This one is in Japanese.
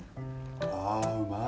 ああうまい！